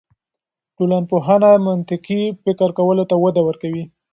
ټولنپوهنه منطقي فکر کولو ته وده ورکوي.